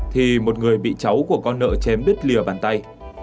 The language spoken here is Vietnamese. thì một người bị cháu của con nợ chém đứt lìa bàn tay